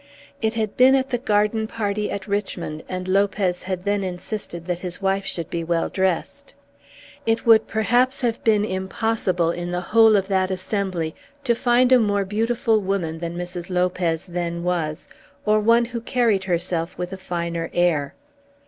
It had been at the garden party at Richmond, and Lopez had then insisted that his wife should be well dressed. It would perhaps have been impossible in the whole of that assembly to find a more beautiful woman than Mrs. Lopez then was, or one who carried herself with a finer air.